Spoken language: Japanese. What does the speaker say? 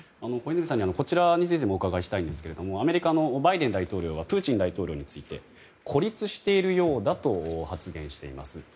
小泉さんにこちらについてもお伺いしたいんですけどアメリカのバイデン大統領はプーチン大統領について孤立しているようだと発言しています。